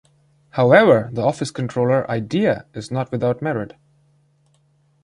However the office controller idea is not without merit.